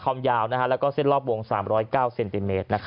ความยาวแล้วก็เส้นรอบวง๓๐๙เซนติเมตร